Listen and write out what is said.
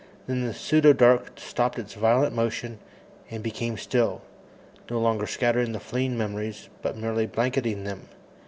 Then the pseudo dark stopped its violent motion and became still, no longer scattering the fleeing memories, but merely blanketing them.